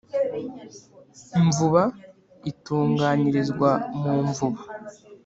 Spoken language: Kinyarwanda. imvuba: itunganyirizwa mu mvuba